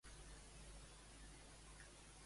Amb qui va establir una relació amorosa Amir?